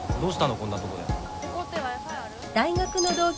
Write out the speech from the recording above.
こんなとこで。